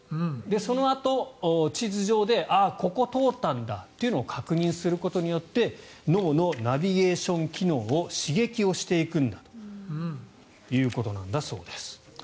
そのあと、地図上でここ通ったんだというのを確認することによって脳のナビゲーション機能を刺激をしていくんだということなんだそうです。